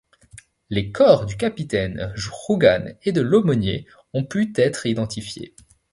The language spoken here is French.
Les corps du capitaine Jugan et de l’aumônier ont pu être identifiés.